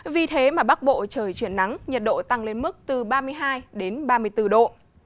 vì thế mà bắc bộ trời chuyển nắng nhiệt độ tăng lên mức từ ba mươi hai đến ba mươi bốn độ